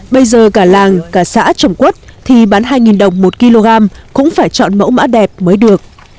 bây giờ cả làng cả xã trồng quất thì bán hai đồng một kg cũng phải chọn mẫu mã đẹp mới được